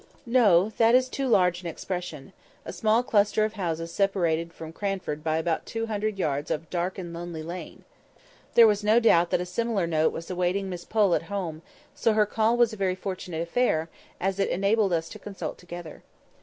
(No; that is too large an expression: a small cluster of houses separated from Cranford by about two hundred yards of a dark and lonely lane.) There was no doubt but that a similar note was awaiting Miss Pole at home; so her call was a very fortunate affair, as it enabled us to consult together.